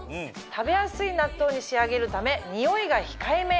食べやすい納豆に仕上げるためニオイが控えめ。